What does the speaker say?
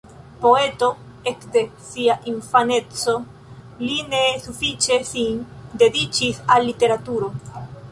Poeto ekde sia infaneco, li ne sufiĉe sin dediĉis al literaturo.